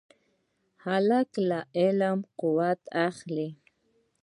هلک له علمه قوت اخلي.